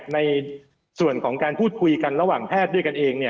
ในส่วนของการพูดคุยกันระหว่างแพทย์ด้วยกันเอง